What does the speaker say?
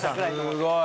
すごい。